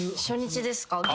初日ですか？